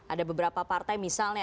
ada beberapa partai misalnya